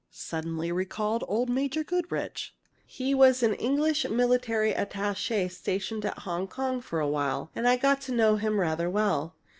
Suddenly recalled old Major Goodrich. He was an English military attaché stationed at Hong Kong for a while, and I got to know him rather well.